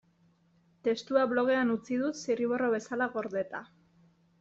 Testua blogean utzi dut, zirriborro bezala gordeta.